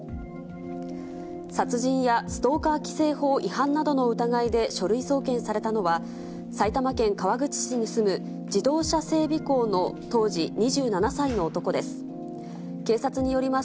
殺人やストーカー規制法違反などの疑いで書類送検されたのは、埼玉県川口市に住む自動車整備工の、当時２７歳の男です。